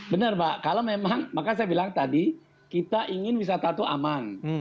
benar pak kalau memang maka saya bilang tadi kita ingin wisata itu aman